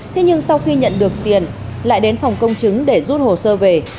thế nhưng sau khi nhận được tiền lại đến phòng công chứng để rút hồ sơ về